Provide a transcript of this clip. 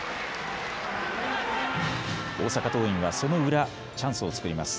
大阪桐蔭はその裏、チャンスを作ります。